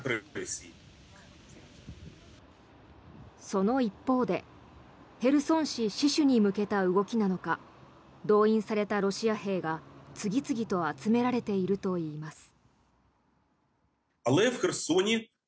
その一方でヘルソン市死守に向けた動きなのか動員されたロシア兵が次々と集められているといいます。